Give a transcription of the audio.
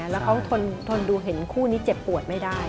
แล้วเขาทนดูเห็นคู่นี้เจ็บปวดไม่ได้